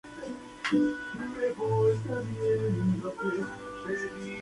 Es capaz de regenerar su cola una vez perdida.